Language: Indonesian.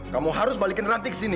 kamu harus balikin ranti ke sini